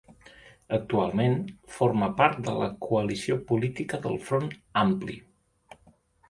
Actualment, forma part de la coalició política del Front Ampli.